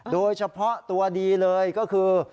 โดยเฉพาะตัวดีเลยก็คือ